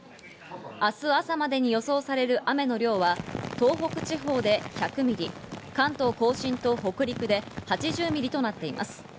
明日朝までに予想される雨の量は、東北地方で１００ミリ、関東甲信と北陸で８０ミリとなっています。